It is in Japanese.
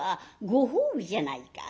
ご褒美じゃないか。